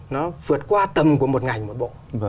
nó vượt qua tầm của một ngành một bộ